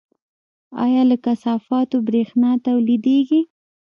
آیا له کثافاتو بریښنا تولیدیږي؟